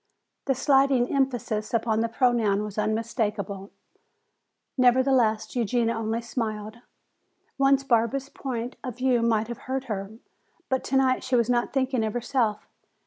The slighting emphasis upon the pronoun was unmistakable; nevertheless, Eugenia only smiled. Once Barbara's point of view might have hurt her, but tonight she was not thinking of herself.